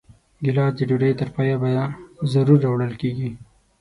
ګیلاس د ډوډۍ تر پایه ضرور راوړل کېږي.